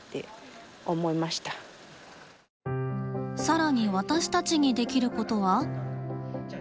更に私たちにできることは？